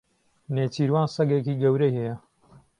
نێچیروان سەگێکی گەورەی هەیە.